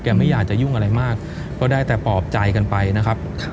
ไม่อยากจะยุ่งอะไรมากก็ได้แต่ปลอบใจกันไปนะครับ